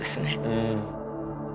うん。